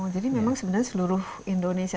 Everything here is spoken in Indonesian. jadi memang sebenarnya seluruh indonesia